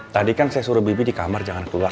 tadi kan saya suruh bibit di kamar jangan keluar